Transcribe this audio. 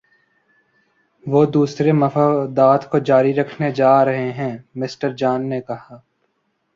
وہ دوسرے مفادات کو جاری رکھنے جا رہے ہیں مِسٹر جان نے کہا